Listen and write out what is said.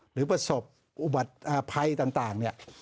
หรือประสบปลอดภัยต่าง